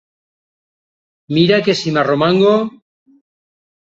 Mira que si m'hi arromango!